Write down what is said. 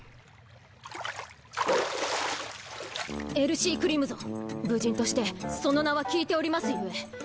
エルシー・クリムゾン武人としてその名は聞いておりますゆえ。